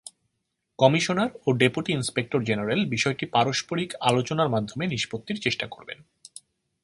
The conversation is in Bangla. কমিশনার ও ডেপুটি ইন্সপেক্টর জেনারেল বিষয়টি পারস্পরিক আলোচনার মাধ্যমে নিষ্পত্তির চেষ্টা করবেন।